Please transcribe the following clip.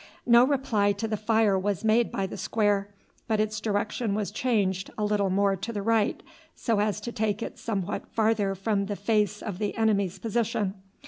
No reply to the fire was made by the square, but its direction was changed a little more to the right so as to take it somewhat farther from the face of the enemy's position.